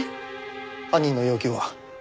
犯人の要求は？